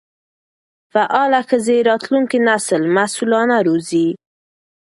فعاله ښځې راتلونکی نسل مسؤلانه روزي.